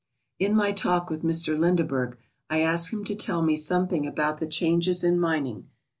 In my talk with Mr. Lindeberg, I asked him to tell me something about the changes in mining.